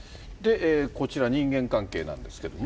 こちら人間関係なんですけれども。